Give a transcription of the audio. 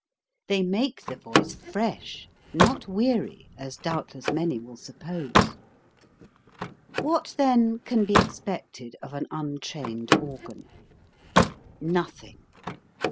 They make the voice fresh, not weary, as doubtless many will suppose. What, then, can be expected of an un trained organ ? Nothing